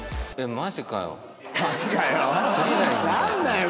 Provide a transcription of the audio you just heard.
「マジかよ」。